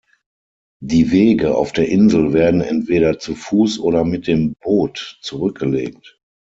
Die Wege auf der Insel werden entweder zu Fuß oder mit dem Boot zurückgelegt.